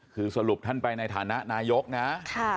คือสรุปท่านไปในฐานะนายกนะ